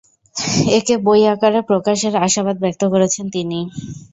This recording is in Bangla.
একে বই আকারে প্রকাশের আশাবাদ ব্যক্ত করেছেন তিনি।